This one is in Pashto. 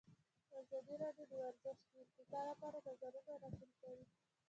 ازادي راډیو د ورزش د ارتقا لپاره نظرونه راټول کړي.